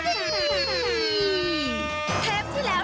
โทรศัพท์ที่แล้ว